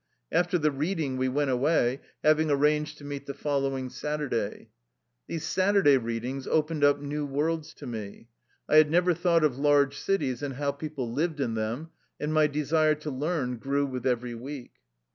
After the reading we went away, having ar ranged to meet the following Saturday. These Saturday readings opened up new worlds to me. I had never thought of large cities and how people lived in them, and my desire to learn grew with every week.